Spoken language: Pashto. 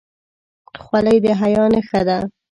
خولۍ د حیا نښه ده.